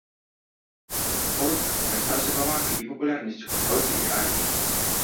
Ордэн карыстаўся павагай і папулярнасцю ў народзе і арміі.